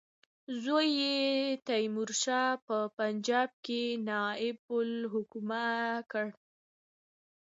زوی یې تیمورشاه په پنجاب کې نایب الحکومه کړ.